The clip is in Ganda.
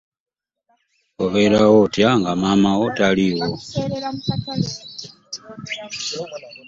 Obeerawo otya nga maama wo taliiwo?